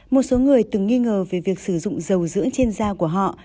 một số người từng nghi ngờ về việc sử dụng dầu dưỡng trên da của họ